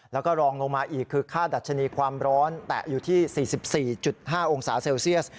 แล้วก็รองลงมาอีกคือค่าดัชนีความร้อนแตะอยู่ที่๔๔๕องศาเซลเซียส